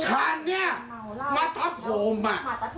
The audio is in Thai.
ฉันเนี่ยมาตัดผมอ่ะ